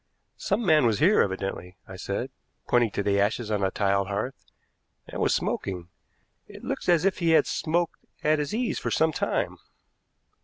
"Some man was here, evidently," I said, pointing to the ashes on the tiled hearth, "and was smoking. It looks as if he had smoked at his ease for some time."